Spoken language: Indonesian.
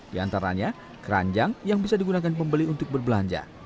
di antaranya keranjang yang bisa digunakan pembeli untuk berbelanja